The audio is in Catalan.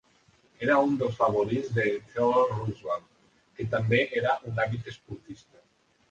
Era un dels favorits de Theodore Roosevelt, que també era un àvid esportista.